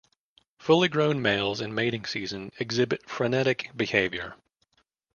Fully grown males in mating season exhibit frenetic behaviour.